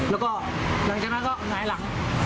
แล้วก็หลังจากนั้นก็หงายหลัง